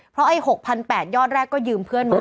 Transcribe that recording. เพราะไอ้๖๘๐๐ยอดแรกก็ยืมเพื่อนมา